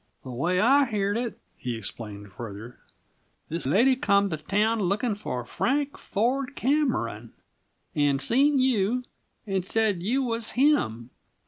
"The way I heard it," he explained further, "this lady come to town looking for Frank Ford Cameron, and seen you, and said you was him.